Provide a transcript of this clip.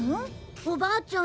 おばあちゃん